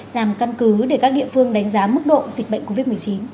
làm căn cứ để các địa phương đánh giá mức độ dịch bệnh covid một mươi chín